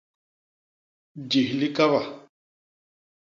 Jis li kaba.